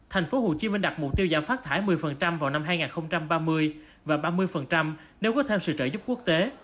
thành phố hồ chí minh đặt mục tiêu giảm phát thải một mươi vào năm hai nghìn ba mươi và ba mươi nếu có thêm sự trợ giúp quốc tế